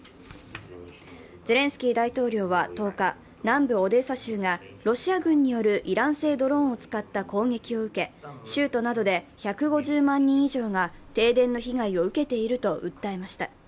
ゼレンスキー大統領は１０日、南部オデーサ州がロシア軍によるイラン製ドローンを使った攻撃を受け州都などで１５０万人以上が停電の被害を受けていると訴えました。